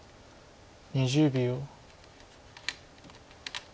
２０秒。